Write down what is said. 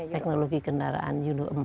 teknologi kendaraan euro empat